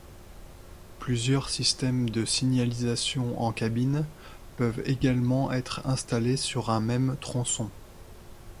Plusieurs systèmes de signalisation en cabine peuvent également être installés sur un même tronçon.